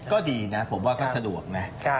ก็ดีนะผมว่าก็สะดวกนะ